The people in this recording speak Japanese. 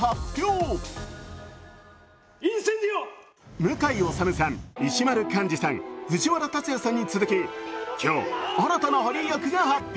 向井理さん、石丸幹二さん、藤原竜也さんに続き今日、新たなハリー役が発表。